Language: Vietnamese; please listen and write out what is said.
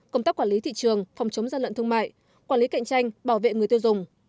công tác quản lý thị trường phòng chống gian lận thương mại quản lý cạnh tranh bảo vệ người tiêu dùng